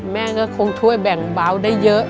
แม่ก็คงช่วยแบ่งเบาได้เยอะ